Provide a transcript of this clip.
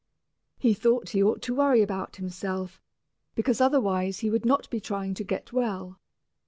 He thought he ought to worry about himself, because otherwise he would not be trying to get well.